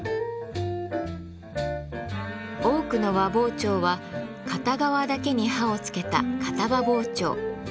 多くの和包丁は片側だけに刃を付けた片刃包丁。